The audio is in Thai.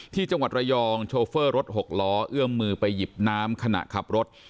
ที่จังหวัดระยองโชเฟอร์รถหกล้อเอื้อมมือไปหยิบน้ำขณะขับรถ